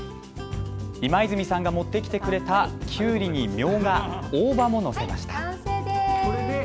今泉さんが持って来てくれたきゅうりにミョウガ、大葉も載せました。